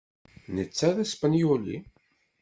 Netta d aspenyuli.